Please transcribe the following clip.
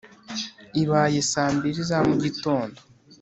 ibaye saa mbiri za mugitondo